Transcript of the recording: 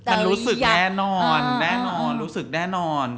มันรู้สึกแน่นอนแน่นอนรู้สึกแน่นอน